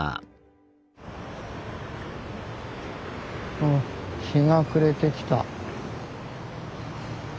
あぁ日が暮れてきた。